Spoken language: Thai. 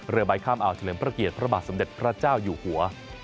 เรือใบข้ามอ่าวเฉลิมพระเกียรติพระบาทสมเด็จพระเจ้าอยู่หัว